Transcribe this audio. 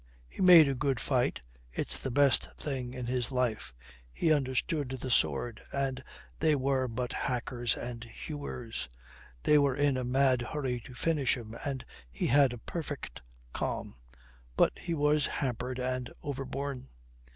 He made a good fight it's the best thing in his life he understood the sword, and they were but hackers and hewers, they were in a mad hurry to finish him and he had a perfect calm. But he was hampered and overborne.